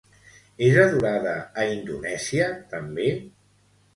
És adorada a Indonèsia també?